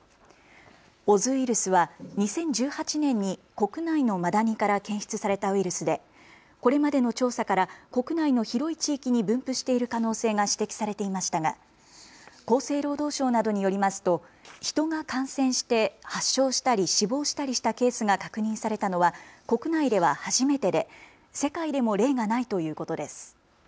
オズウイルスは２０１８年に国内のマダニから検出されたウイルスでこれまでの調査から国内の広い地域に分布している可能性が指摘されていましたが厚生労働省などによりますと人が感染して発症したり死亡したりしたケースが確認されたのは国内では初めてで世界でも例がないということです。